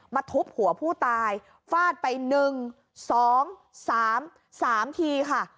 มาทุบหัวผู้ตายฟาดไปหนึ่งสองสามสามทีค่ะ